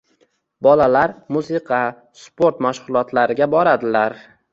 Bolalar musiqa, sport mashg‘ulotlariga boradilar.